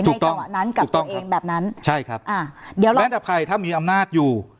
ถูกต้องครับถูกต้องครับใช่ครับแม้จะใครถ้ามีอำนาจอยู่